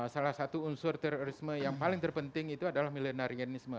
salah satu unsur terorisme yang paling terpenting itu adalah milenarianisme